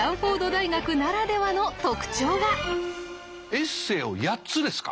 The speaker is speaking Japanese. エッセーを８つですか。